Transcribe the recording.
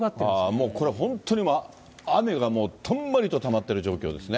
もうこれは本当に、雨がもうたんまりとたまってる状態ですね。